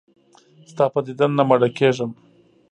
ستا په دیدن نه مړه کېږم.